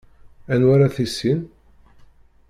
Anwa ara tissin?